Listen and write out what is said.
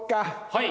はい。